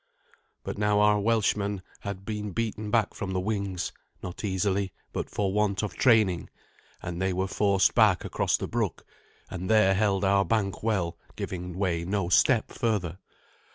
But now our Welshmen had been beaten back from the wings not easily, but for want of training and they were forced back across the brook, and there held our bank well, giving way no step further.